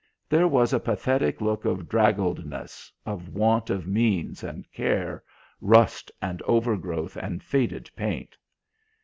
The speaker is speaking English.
There was a pathetic look of draggledness, of want of means and care, rust and overgrowth and faded paint.